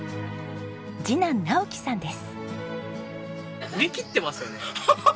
次男直樹さんです。